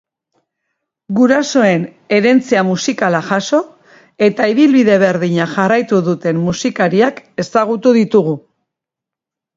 Gurasoen herentzia musikala jaso eta ibilbide berdina jarraitu duten musikariak ezagutu ditugu.